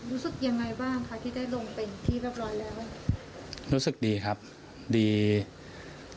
อืมรู้สึกยังไงบ้างคะที่ได้ลงเป็นที่เรียบร้อยแล้ว